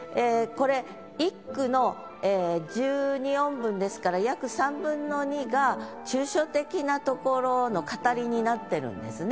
これ一句の１２音分ですから約３分の２が抽象的なところの語りになってるんですね。